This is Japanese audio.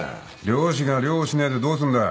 漁師が漁をしねえでどうすんだ。